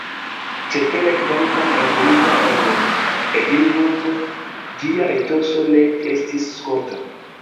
Cetere, kvankam eldonita en Edinburgo, ĝia etoso ne estis skota.